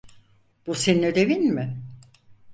Bu senin ödevin mi?